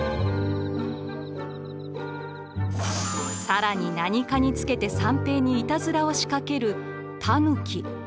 更に何かにつけて三平にイタズラを仕掛けるタヌキ。